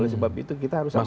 sebab itu kita harus sama sama